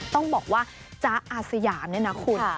ต้องบอกว่าจ๊ะอาสยามเนี่ยนะคุณ